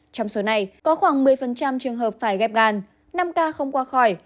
trong số này có khoảng một mươi trường hợp phải ghép gan năm ca không qua khỏi